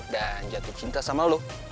dan jatuh cinta sama lu